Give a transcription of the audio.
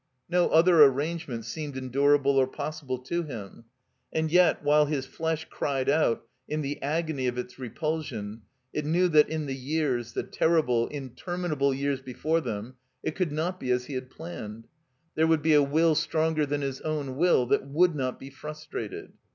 No other arrangement seemed endurable or pos sible to him. And yet, while his flesh cried out in the agony of its repulsion, it knew that in the years, the terrible, interminable years before them, it could not be as he had plaxmed. There would be a will stronger than his own will that would not be frustrated.